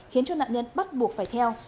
khiến cho nạn nhân bắt buộc phải theo